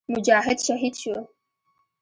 مجاهد شهید شو.